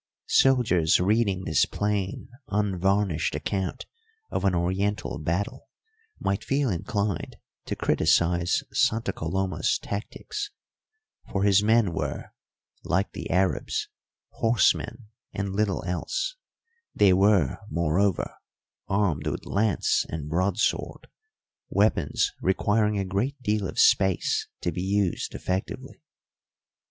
Soldiers reading this plain, unvarnished account of an Oriental battle might feel inclined to criticise Santa Coloma's tactics; for his men were, like the Arabs, horsemen and little else; they were, moreover, armed with lance and broadsword, weapons requiring a great deal of space to be used effectively.